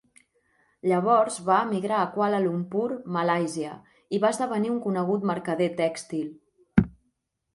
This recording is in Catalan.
Llavors va emigrar a Kuala Lumpur, Malàisia i va esdevenir un conegut mercader tèxtil.